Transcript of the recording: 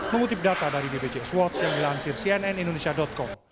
mengutip data dari bpjs watch yang dilansir cnn indonesia com